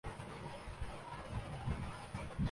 کیا اس جذبے نے ان کے معاشی مفادات سے جنم لیا ہے؟